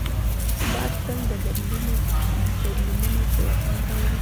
باد تل د بدلونو پیغام راوړي